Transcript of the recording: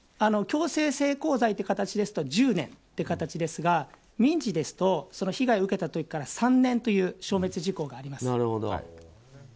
強制性交罪という形ですと１０年という形ですが民事ですと被害を受けた時から３年という消滅時効があります。